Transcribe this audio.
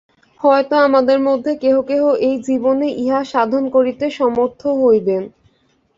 হয়তো আমাদের মধ্যে কেহ কেহ এই জীবনে ইহা সাধন করিতে সমর্থ হইবেন।